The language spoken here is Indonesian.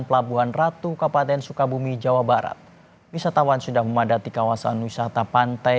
pelabuhan ratu kabupaten sukabumi jawa barat wisatawan sudah memadati kawasan wisata pantai